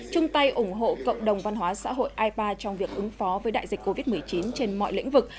chung tay ủng hộ cộng đồng văn hóa xã hội ipa trong việc ứng phó với đại dịch covid một mươi chín trên mọi lĩnh vực